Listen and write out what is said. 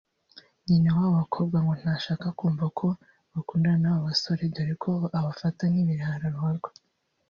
nyina w’aba bakobwa ngo ntashaka kumva ko bakundana n’aba basore dore ko abafata nk’ibirara ruharwa